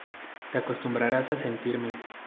Te acostumbrarás a sentirme.